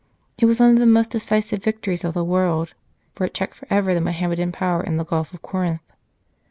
It was one of the most decisive victories of the world, for it checked for ever the Mohammedan power in the Gulf of Corinth.